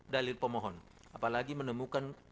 dalil pemohon apalagi menemukan